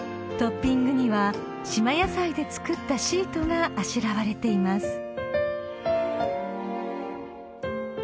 ［トッピングには島野菜で作ったシートがあしらわれています］